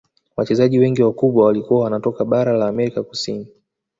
Wachezaji wengi wakubwa walikuwa wanatoka bara la amerika kusini